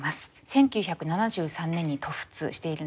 １９７３年に渡仏しているんですね。